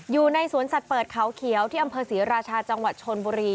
อยู่ในสวนสัตว์เปิดเขาเขียวที่อำเภอศรีราชาจังหวัดชนบุรี